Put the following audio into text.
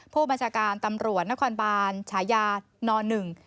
ผู้บัญชาการตำรวจนครบานฉายานอหนึ่ง